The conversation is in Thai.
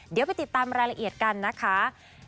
เดี๋ยวไปติดตามรายละเอียดกันนะคะ